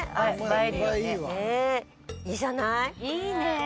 いいね。